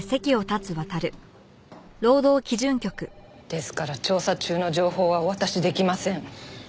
ですから調査中の情報はお渡しできません。